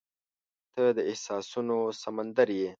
• ته د احساسونو سمندر یې.